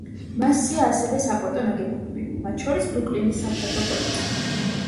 მასზეა ასევე საპორტო ნაგებობები, მათ შორის ბრუკლინის სამხედრო პორტი.